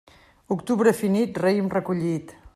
Octubre finit, raïm recollit.